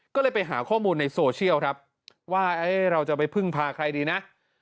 ก็เลยไปหาข้อมูลในโซเชียลครับว่าเราจะไปพึ่งพาใครดีนะ